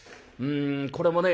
これもね